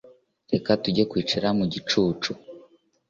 Reka tujye kwicara mu gicucu